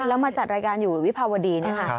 แล้วมาจัดรายการอยู่วิภาวดี